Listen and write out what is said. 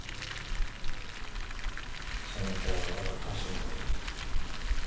そなたは我が家臣じゃ。